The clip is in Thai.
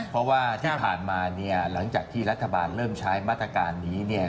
เพราะว่าที่ผ่านมาเนี่ยหลังจากที่รัฐบาลเริ่มใช้มาตรการนี้เนี่ย